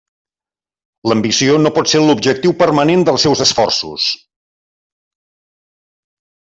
L'ambició no pot ser l'objectiu permanent dels seus esforços.